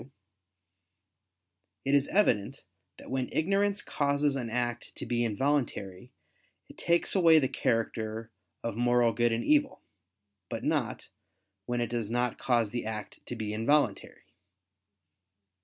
2); it is evident that when ignorance causes an act to be involuntary, it takes away the character of moral good and evil; but not, when it does not cause the act to be involuntary.